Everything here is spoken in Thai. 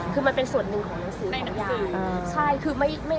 คือมันเป็นส่วนหนึ่งของหนังสือสัญญา